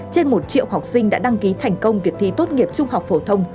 trên một triệu học sinh đã đăng ký thành công việc thi tốt nghiệp trung học phổ thông